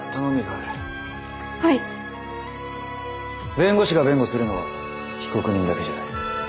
弁護士が弁護するのは被告人だけじゃない。